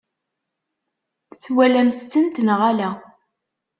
Twalamt-tent neɣ ala?